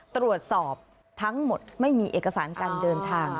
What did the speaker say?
ตรวจสอบทั้งหมดไม่มีเอกสารการเดินทาง